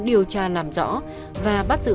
điều tra làm rõ và bắt giữ